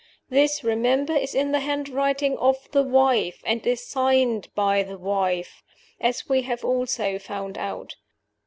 This, remember, is in the handwriting of the wife, and is signed by the wife as we have also found out.